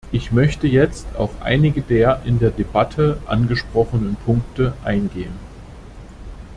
Ich möchte jetzt auf einige der in der Debatte angesprochenen Punkte eingehen.